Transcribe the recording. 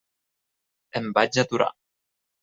Em vaig aturar.